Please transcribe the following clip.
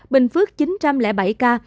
bình phước chín trăm linh bảy ca